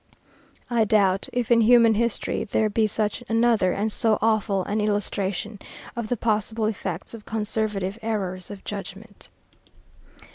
I doubt if, in human history, there be such another and so awful an illustration of the possible effects of conservative errors of judgment.